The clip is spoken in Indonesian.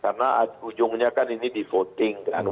karena ujungnya kan ini di voting